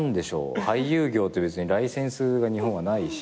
俳優業って別にライセンスが日本はないし。